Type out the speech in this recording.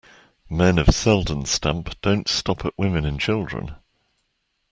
Men of Selden's stamp don't stop at women and children.